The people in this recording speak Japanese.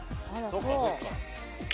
そっかそっか。